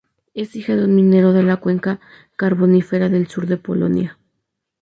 Es hija de un minero de la cuenca carbonífera del sur de Polonia.